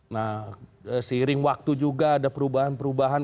nah seiring waktu juga ada perubahan perubahan